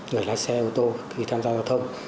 người lái xe ô tô khi tham gia giao thông